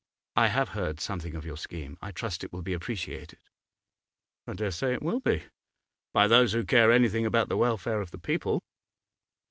'I have heard something of your scheme. I trust it will be appreciated.' 'I dare say it will be by those who care anything about the welfare of the people.